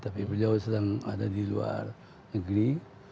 tapi beliau sedang ada di luar negeri